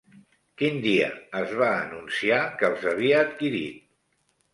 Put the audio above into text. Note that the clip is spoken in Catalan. Quin dia es va anunciar que els havia adquirit?